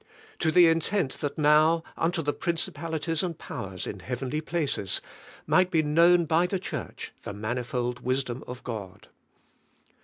To the intent that now unto the principalities and powers in heavenly places might be known by the church the manifold wisdom of God."